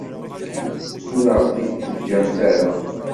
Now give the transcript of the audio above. Ur aɣ-t-id-teǧǧamt ara.